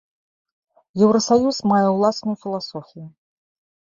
Еўрасаюз мае ўласную філасофію.